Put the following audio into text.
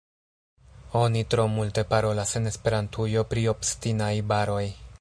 Oni tro multe parolas en Esperantujo pri “obstinaj baroj”.